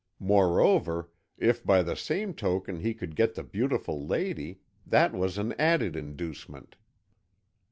Moreover, if by the same token he could get the beautiful lady, that was an added inducement."